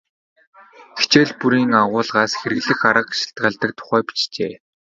Хичээл бүрийн агуулгаас хэрэглэх арга шалтгаалдаг тухай бичжээ.